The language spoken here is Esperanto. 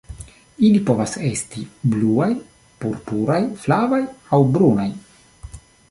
Ili povas estis bluaj, purpuraj, flavaj aŭ brunaj.